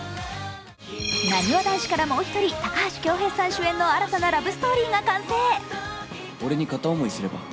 なにわ男子からもう一人高橋恭平さん主演の新たなラブストーリーが完成。